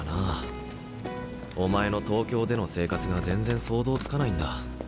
お前の東京での生活が全然想像つかないんだ。